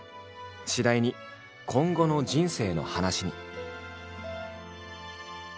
次第に今後の人生の話に。